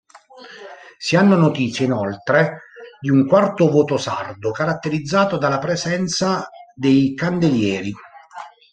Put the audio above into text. Si hanno notizie, inoltre, di un quarto voto sardo caratterizzato dalla presenza dei Candelieri.